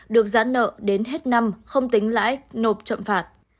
được giãn nợ đến hết năm không tính lãi nộp chậm phạt